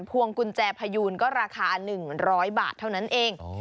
พวงกุญแจพยูนก็ราคา๑๐๐บาทเท่านั้นเอง